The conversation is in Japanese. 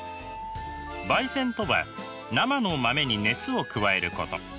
焙煎とは生の豆に熱を加えること。